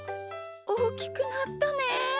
おおきくなったねえ。